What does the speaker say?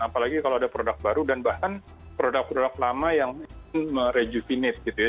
apalagi kalau ada produk baru dan bahkan produk produk lama yang merejuvinasi